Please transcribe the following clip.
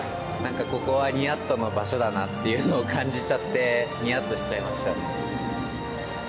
なんかここは、にやっとの場所だなっていうのを感じちゃって、にやっとしちゃいました。